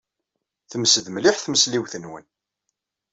Temsed mliḥ tmesliwt-nwen.